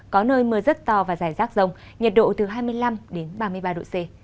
có nơi mưa rất to và dài sát rông nhiệt độ từ hai mươi năm đến ba mươi ba độ c